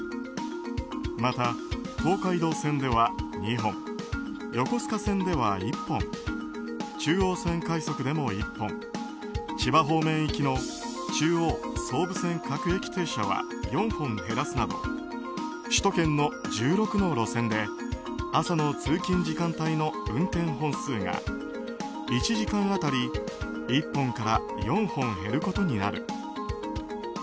また、東海道線では２本横須賀線では１本中央線快速でも１本千葉方面行きの中央・総武線各駅停車は４本減らすなど首都圏の１６の路線で朝の通勤時間帯の運転本数が１時間当たり１本から４本減ることになる。